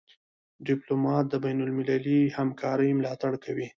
ډيپلومات د بینالمللي همکارۍ ملاتړ کوي.